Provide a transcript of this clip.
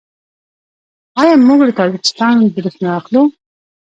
آیا موږ له تاجکستان بریښنا اخلو؟